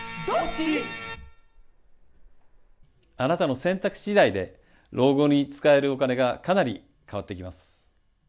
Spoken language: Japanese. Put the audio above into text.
あなたの選択しだいで、老後に使えるお金がかなり変わってきます。